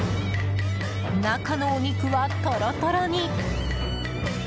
中のお肉はトロトロに。